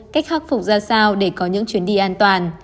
cách khắc phục ra sao để có những chuyến đi an toàn